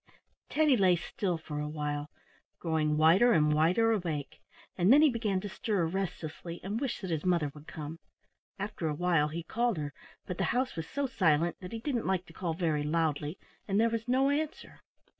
Teddy lay still for a while, growing wider and wider awake, and then he began to stir restlessly and wish that his mother would come. After a while he called her, but the house was so silent that he didn't like to call very loudly, and there was no answer.